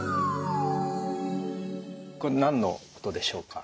これ何の音でしょうか？